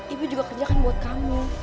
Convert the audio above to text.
ibu juga kerjakan buat kami